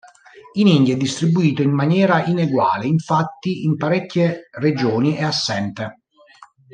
In India è distribuito in maniera ineguale; infatti in parecchie regioni è assente.